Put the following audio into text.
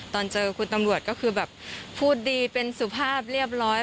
ตอนเจอคุณตำรวจก็คือแบบพูดดีเป็นสุภาพเรียบร้อย